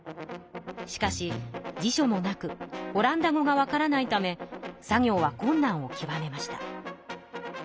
しかし辞書もなくオランダ語がわからないため作業はこんなんをきわめました。